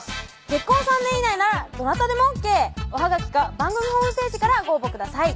結婚３年以内ならどなたでもＯＫおはがきか番組ホームページからご応募ください